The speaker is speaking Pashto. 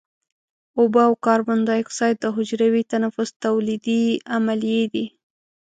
اوبه او کاربن دای اکساید د حجروي تنفس تولیدي عملیې دي.